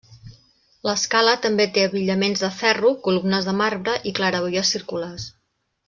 L'escala també té abillaments de ferro, columnes de marbre i claraboies circulars.